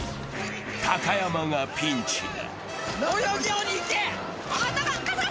高山がピンチだ。